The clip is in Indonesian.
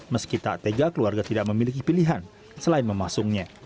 meski tak tega keluarga tidak memiliki pilihan selain memasungnya